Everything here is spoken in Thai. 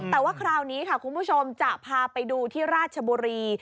แต่ว่าคราวนี้ค่ะคุณผู้ชมจะพาไปดูที่ราชบุรี